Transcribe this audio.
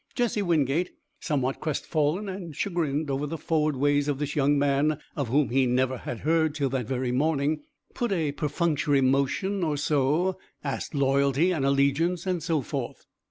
Jesse Wingate, somewhat crestfallen and chagrined over the forward ways of this young man, of whom he never had heard till that very morning, put a perfunctory motion or so, asked loyalty and allegiance, and so forth.